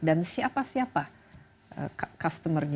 dan siapa siapa customer nya